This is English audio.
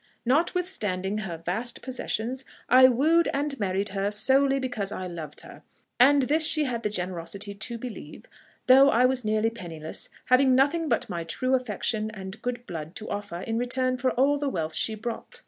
Notwithstanding her vast possessions, I wooed and married her solely because I loved her; and this she had the generosity to believe, though I was nearly penniless, having nothing but my true affection and good blood to offer in return for all the wealth she brought.